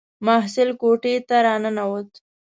محصل کوټې ته را ننووت.